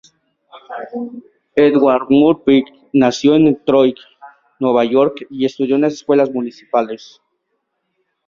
Edward Murphy nació en Troy, Nueva York y estudió en las escuelas municipales.